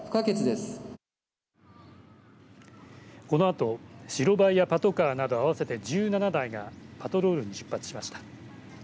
このあと、白バイやパトカーなど合わせて１７台がパトロールに出発しました。